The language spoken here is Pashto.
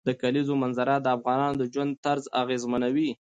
د کلیزو منظره د افغانانو د ژوند طرز اغېزمنوي.